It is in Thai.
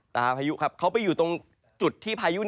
พายุครับเขาไปอยู่ตรงจุดที่พายุ